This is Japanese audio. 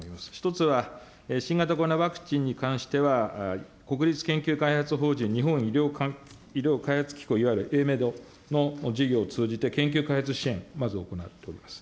１つは新型コロナワクチンに関しては、国立研究開発法人日本医療開発機構、いわゆるＡＭＥＤの事業を通じて研究開発支援、まず行っております。